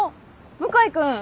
向井君！